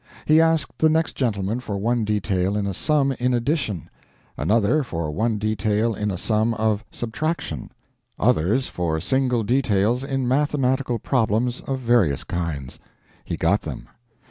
He asked the next gentleman for one detail in a sum in addition; another for one detail in a sum of subtraction; others for single details in mathematical problems of various kinds; he got them.